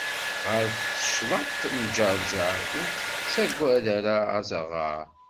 Ɣer tecḍaṭ n ǧeṛǧeṛ, ur tettagad ara aẓaɣaṛ.